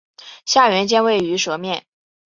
下原尖位于舌面。